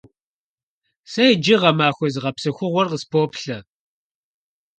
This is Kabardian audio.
Сэ иджы гъэмахуэ зыгъэпсэхугъуэр къыспоплъэ.